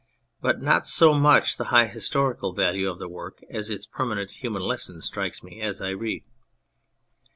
But not so much the high historical value of the work as its permanent human lesson strikes me as I read.